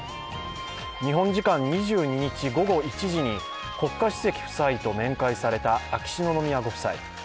日本時間２２日午後１時に国家主席夫妻と面会された秋篠宮ご夫妻。